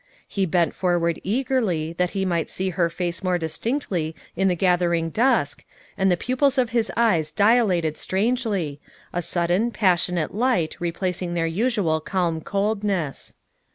He bent forward eagerly that he might see her face more distinctly in the gathering dusk and the pupils of his eyes dilated strangely, a sudden, passionate light replacing their usual calm coldness.